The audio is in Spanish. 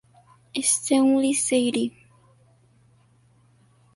Stanley Sadie.